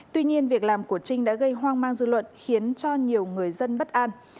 tuy nhiên việc làm của trinh đã gây hoang mang dư luận khiến cho nhiều người dân bất an